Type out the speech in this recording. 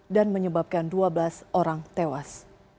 dan menyebabkan dua belas orang tewas